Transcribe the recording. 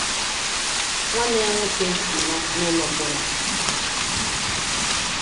Nwanne ya nwoke nọrọ n’ụlọ mkpọrọ.